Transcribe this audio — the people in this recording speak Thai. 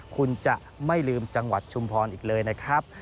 คุณจะไม่ลืมจังหวัดชุมพรอีกเลยนะครับ